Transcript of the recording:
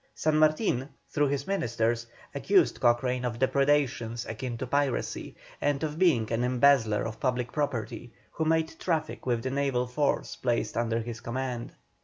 San Martin, through his ministers, accused Cochrane of depredations akin to piracy, and of being an embezzler of public property, who made traffic with the naval force placed under his command.